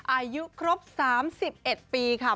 อายุครบ๓๑ปีค่ะ